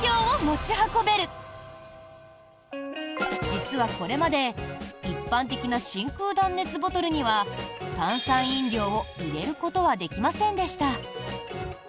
実はこれまで一般的な真空断熱ボトルには炭酸飲料を入れることはできませんでした。